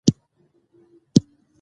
شپاړس کاله تېر شول ،په دې موده کې